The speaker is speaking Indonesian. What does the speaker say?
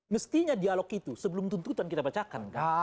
mestinya dialog itu sebelum tuntutan kita bacakan kan